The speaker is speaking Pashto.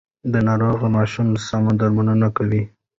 د ناروغ ماشوم سم درملنه کوي.